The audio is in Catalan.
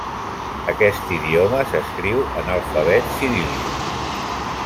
Aquest idioma s'escriu en alfabet ciríl·lic.